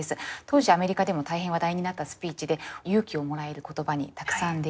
当時アメリカでも大変話題になったスピーチで勇気をもらえる言葉にたくさん出会えるスピーチなんです。